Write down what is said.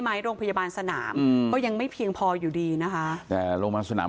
โรงพยาบาลสนามอืมก็ยังไม่เพียงพออยู่ดีนะคะแต่โรงพยาบาลสนาม